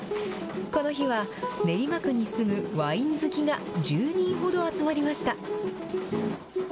この日は、練馬区に住むワイン好きが１０人ほど集まりました。